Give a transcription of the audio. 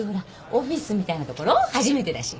オフィスみたいなところ初めてだし。